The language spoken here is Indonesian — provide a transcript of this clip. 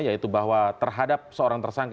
yaitu bahwa terhadap seorang tersangka